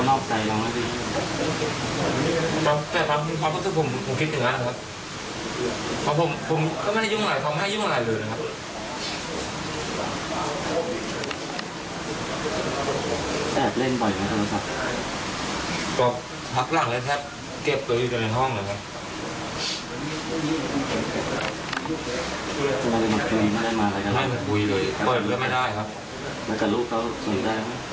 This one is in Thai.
อ่าวี้เปิดแล้วไม่ได้ครับ